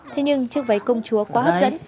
thế nhưng chiếc váy công chúa quá hấp dẫn